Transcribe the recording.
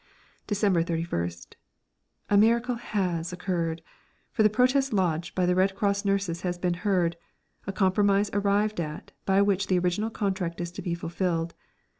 December 31st. A miracle has occurred, for the protest lodged by the Red Cross nurses has been heard, a compromise arrived at by which the original contract is to be fulfilled.